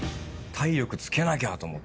体力つけなきゃと思って。